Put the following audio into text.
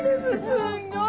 すんごい。